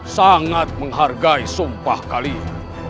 sangat menghargai sumpah kalian